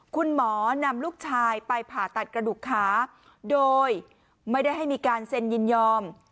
คุณหมอนำลูกชายไปผ่าตัดกระดูกขาโดยไม่ได้ให้มีการเซ็นยินยอม